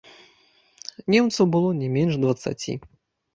Немцаў было не менш дваццаці.